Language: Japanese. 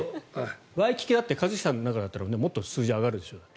ワイキキ、だって一茂さんの中だったらもっと数字が上がるでしょ。